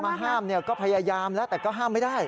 ห้ามก็พยายามแล้วแต่ก็ห้ามไม่ได้